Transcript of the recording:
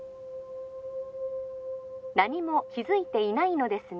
☎何も気づいていないのですね